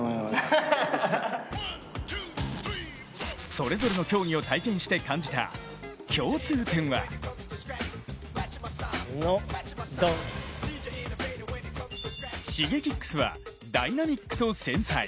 それぞれの競技を体験して感じた、共通点はＳｈｉｇｅｋｉｘはダイナミックと繊細。